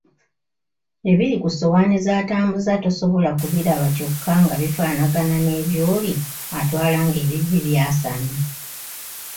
Ebiri ku ssowaani zatambuza tosobola kubiraba kyokka nga bifaanagana n'ebyoli atwala ng'ebibye byasamye.